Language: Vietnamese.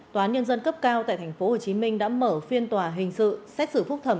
tòa án nhân dân cấp cao tại tp hcm đã mở phiên tòa hình sự xét xử phúc thẩm